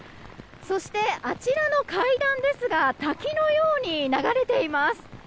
そして、あちらの階段ですが滝のように流れています。